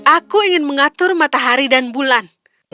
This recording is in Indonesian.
aku ingin mengatur matahari dan bulan